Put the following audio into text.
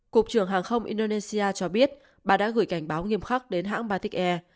cục trưởng hàng không indonesia cho biết bà đã gửi cảnh báo nghiêm khắc đến hãng batech air